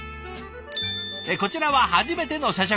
こちらは初めての社食。